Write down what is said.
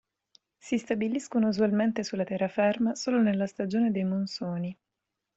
Si stabiliscono usualmente sulla terraferma solo nella stagione dei monsoni.